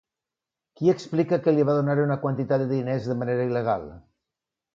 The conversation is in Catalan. Qui explica que li va donar una quantitat de diners de manera il·legal?